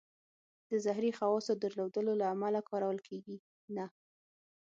د زهري خواصو درلودلو له امله کارول کېږي نه.